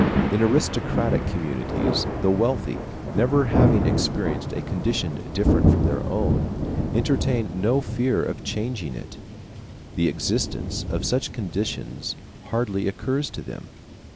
In aristocratic communities, the wealthy, never having experienced a condition different from their own, entertain no fear of changing it; the existence of such conditions hardly occurs to them.